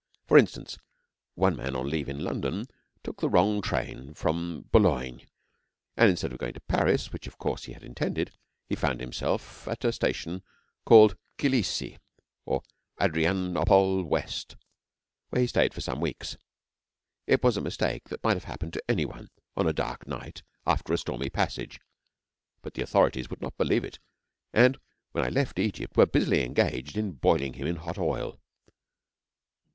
For instance, one man on leave in London took the wrong train from Boulogne, and instead of going to Paris, which, of course, he had intended, found himself at a station called Kirk Kilissie or Adrianople West, where he stayed for some weeks. It was a mistake that might have happened to any one on a dark night after a stormy passage, but the authorities would not believe it, and when I left Egypt were busily engaged in boiling him in hot oil.